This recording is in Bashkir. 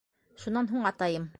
Шунан һуң атайым: